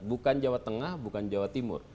bukan jawa tengah bukan jawa timur